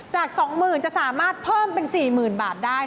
จาก๒หมื่นบาทจะสามารถเพิ่มเป็น๔หมื่นบาทได้